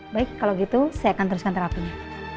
baik kalau gitu saya akan teruskan terapinya